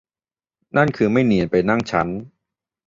นั่นคือไม่เนียนไปนั่งชั้น